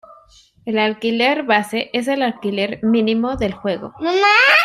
El alquiler base es el alquiler mínimo del juego.